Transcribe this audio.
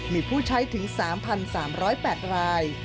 มีผู้ใช้ถึง๓๓๐๘ราย